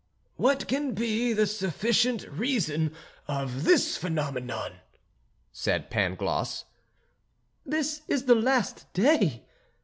"What can be the sufficient reason of this phenomenon?" said Pangloss. "This is the Last Day!"